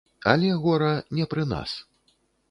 Але, гора, не пры нас.